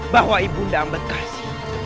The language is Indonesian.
bahwa ibu ndako ambedkasi